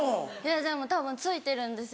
でもたぶんついてるんですよ。